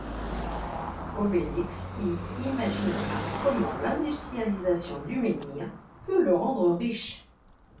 Obélix y imaginera comment l'industrialisation du menhir peut le rendre riche.